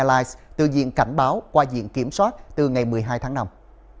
những cảnh báo qua diện kiểm soát từ ngày một mươi hai tháng năm